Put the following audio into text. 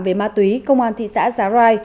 về ma túy công an thị xã giá rai